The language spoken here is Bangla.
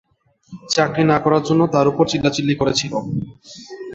চাকরি না করার জন্য তার উপর চিল্লাচিল্লি করেছিল।